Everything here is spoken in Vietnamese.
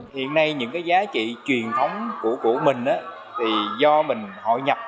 hiện nay những giá trị truyền thống của mình do mình hội nhập